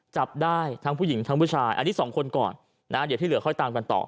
จับได้ทั้งผู้หญิงทั้งผู้ชายอันนี้สองคนก่อนนะเดี๋ยวที่เหลือค่อยตามกันต่อ